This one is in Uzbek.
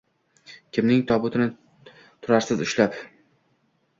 Kimning tobutini turarsiz ushlab?